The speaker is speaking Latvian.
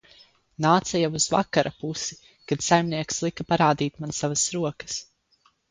Nāca jau uz vakara pusi, kad saimnieks lika parādīt man savas rokas.